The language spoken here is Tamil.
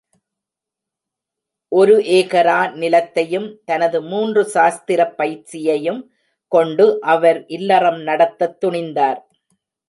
ஒரு ஏகரா நிலத்தையும், தனது மூன்று சாஸ்திரப் பயிற்சியையும் கொண்டு, அவர் இல்லறம் நடத்தத் துணிந்தார்.